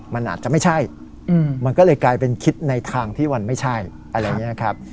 มันอาจจะไม่ใช่มันก็เลยกลายเป็นคิดในทางที่มันไม่ใช่อะไรอย่างนี้นะครับ